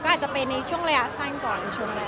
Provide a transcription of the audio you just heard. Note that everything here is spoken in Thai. ก็อาจจะไปในช่วงระยะสั้นก่อน